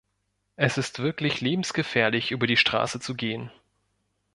Es ist wirklich lebensgefährlich, über die Strasse zu gehen.